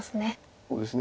そうですね。